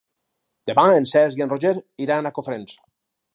Demà en Cesc i en Roger iran a Cofrents.